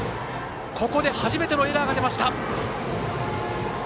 ここで初めてのエラーが出ました。